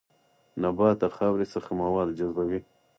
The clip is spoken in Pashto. نبات د خاورې څخه مواد جذبوي